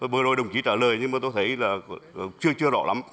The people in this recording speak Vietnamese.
bữa nay đồng chí trả lời nhưng tôi thấy chưa rõ lắm